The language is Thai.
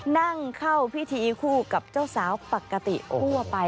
นั่งเข้าพิธีคู่กับเจ้าสาวปกติทั่วไป